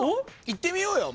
いってみようよ。